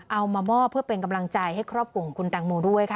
เอามามอบเพื่อเป็นกำลังใจให้ครอบครัวของคุณตังโมด้วยค่ะ